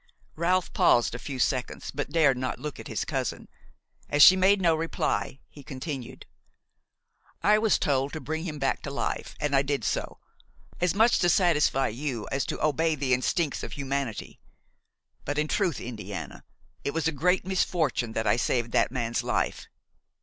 Ralph paused a few seconds, but dared not look at his cousin. As she made no reply, he continued: "I was told to bring him back to life and I did so, as much to satisfy you as to obey the instincts of humanity; but, in truth, Indiana, it was a great misfortune that I saved that man's life!